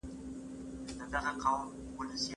ټولنیز علوم له ټولنیزو چارو سره تړلي دي.